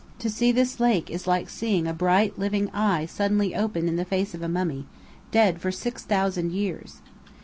To see this lake is like seeing a bright, living eye suddenly open in the face of a mummy, dead for six thousand years!